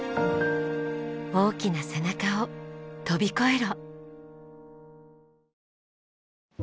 大きな背中を飛び越えろ！